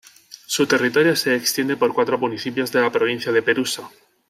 Su territorio se extiende por cuatro municipios de la provincia de Perusa.